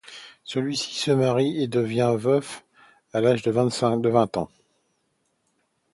Celui-ci se marie et devient veuf à l'âge de vingt ans.